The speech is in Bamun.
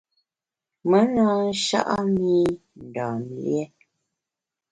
Me na sha’a mi Ndam lié.